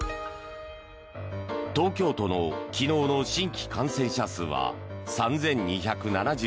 東京都の昨日の新規感染者数は３２７１人。